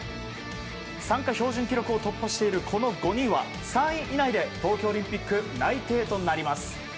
参加標準記録を突破しているこの５人は、３位以内で東京オリンピック内定となります。